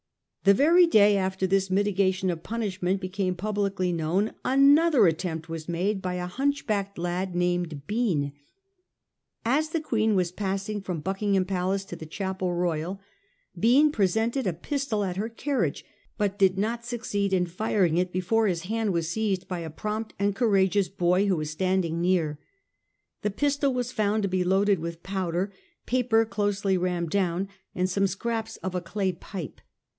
The very day after this mitigation of punishment became publicly known another attempt was made by a hunch backed lad named Bean. As the Queen was passing from Buck ingham Palace to the Chapel Royal, Bean presented a pistol at her carriage, but did not succeed in firing it before his hand was seized by a prompt and cou rageous boy who was standing near. The pistol was found to be loaded with powder, paper closely rammed down, and some scraps of a clay pipe.